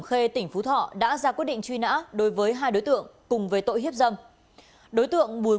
khê tỉnh phú thọ đã ra quyết định truy nã đối với hai đối tượng cùng với tội hiếp dâm đối tượng bùi